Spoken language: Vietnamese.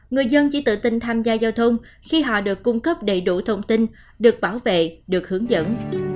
người dân chỉ tự tin tham gia giao thông khi họ được cung cấp đầy đủ thông tin được bảo vệ được hướng dẫn